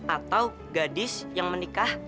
atau gadis yang menikah